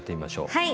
はい。